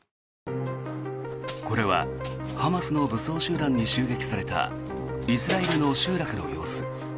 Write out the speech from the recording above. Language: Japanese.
これはハマスの武装集団に襲撃されたイスラエルの集落の様子。